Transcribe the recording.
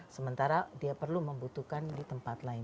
sementara dia perlu membutuhkan di tempat lain